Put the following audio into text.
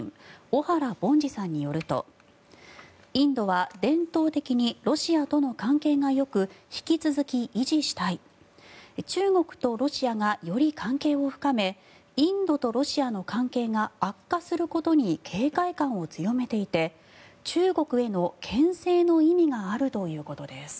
小原凡司さんによるとインドは伝統的にロシアとの関係がよく引き続き維持したい中国とロシアがより関係を深めインドとロシアの関係が悪化することに警戒感を強めていて中国へのけん制の意味があるということです。